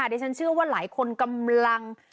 ดิฉันเชื่อว่าหลายคนกำลัง